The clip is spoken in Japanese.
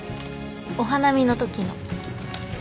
お花見のときの。